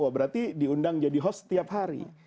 berarti diundang jadi host setiap hari